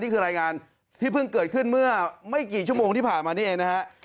รายงานที่เพิ่งเกิดขึ้นเมื่อไม่กี่ชั่วโมงที่ผ่านมานี่เองนะฮะ